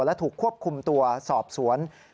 และถูกควบคุมตัวสอบสวน